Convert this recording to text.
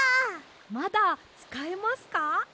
まだつかえますか？